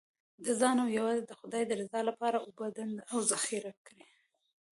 د ځان او یوازې د خدای د رضا لپاره اوبه ډنډ او ذخیره کړئ.